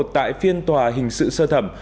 tại phiên tòa hình sự sơ thẩm